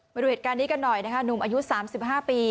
มาดูเหตุการณ์นี้กันหน่อยนะคะหนุ่มอายุ๓๕ปี